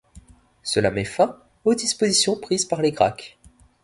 Cela met fin aux dispositions prises par les Gracques.